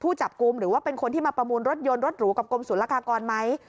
จับกลุ่มหรือว่าเป็นคนที่มาประมูลรถยนต์รถหรูกับกรมศูนยากากรไหม